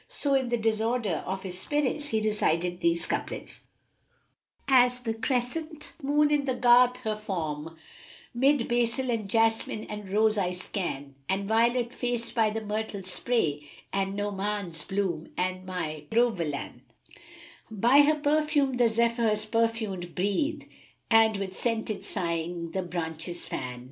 So in the disorder of his spirits he recited these couplets, "As a crescent moon in the garth her form * 'Mid Basil and jasmine and Rose I scan; And Violet faced by the Myrtle spray * And Nu'umán's bloom and Myrobalan: By her perfume the Zephyrs perfumčd breathe * And with scented sighings the branches fan.